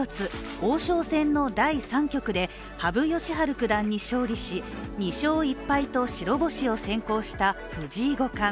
王将戦の第３局で羽生善治九段に勝利し２勝１敗と白星を先行した藤井五冠。